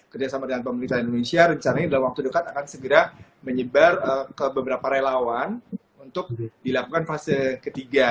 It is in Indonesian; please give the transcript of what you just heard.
kerjasama dengan pemerintah indonesia rencananya dalam waktu dekat akan segera menyebar ke beberapa relawan untuk dilakukan fase ketiga